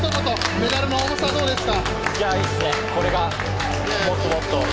メダルの重さはどうですか？